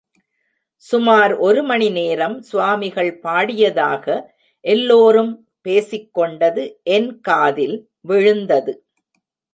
சுமார் ஒரு மணி நேரம் சுவாமிகள் பாடியதாக எல்லோரும் பேசிக்கொண்டது என் காதில் விழுந்தது.